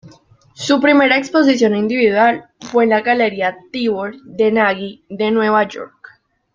Su primera exposición individual fue en la Galería Tibor de Nagy de Nueva York.